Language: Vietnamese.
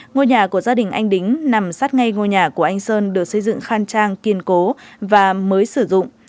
ngôi nhà của gia đình anh đính nằm sát ngay ngôi nhà của anh sơn được xây dựng khang trang kiên cố và mới sử dụng